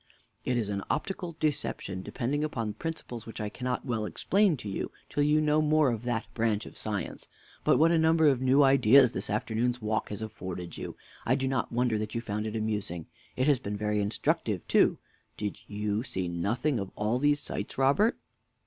Mr. A. It is an optical deception, depending upon principles which I cannot well explain to you till you know more of that branch of science. But what a number of new ideas this afternoon's walk has afforded you! I do not wonder that you found it amusing; It has been very instructive, too. Did you see nothing of all these sights, Robert?